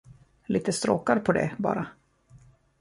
Lite stråkar på det, bara!